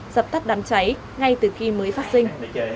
dập tắt đám cháy ngay từ khi mới phát sinh